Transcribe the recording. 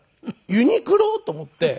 ユニクロ！？と思って。